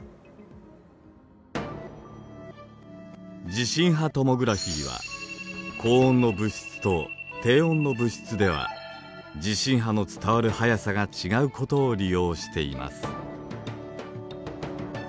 地震波トモグラフィーは高温の物質と低温の物質では地震波の伝わる速さが違うことを利用しています。